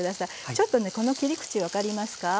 ちょっとねこの切り口分かりますか？